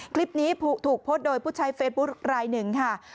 คลิปนี้ถูกโพสต์โดยผู้ใช้เฟซบุ๊คลายหนึ่งค่ะ